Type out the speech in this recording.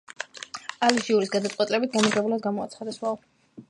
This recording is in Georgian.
ალი ჟიურის გადაწყვეტილებით გამარჯვებულად გამოაცხადეს.